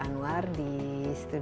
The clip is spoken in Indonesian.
jangan lupa untuk berlangganan